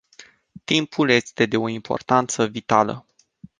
Timpul este de o importanță vitală.